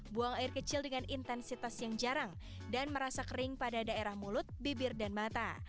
buang air kecil dengan intensitas yang jarang dan merasa kering pada daerah mulut bibir dan mata